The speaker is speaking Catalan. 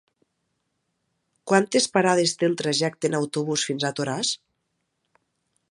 Quantes parades té el trajecte en autobús fins a Toràs?